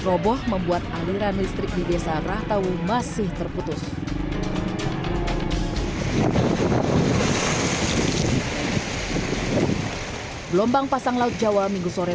roboh membuat aliran listrik di desa rahtawi masih terputus gelombang pasang laut jawa minggu sore